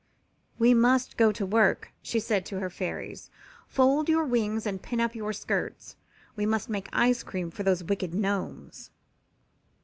"We must go to work," she said to her Fairies. "Fold your wings and pin up your skirts. We must make ice cream for those wicked Gnomes."